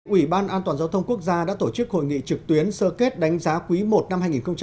ủy ban an toàn giao thông quốc gia đã tổ chức hội nghị trực tuyến sơ kết đánh giá quý i năm hai nghìn hai mươi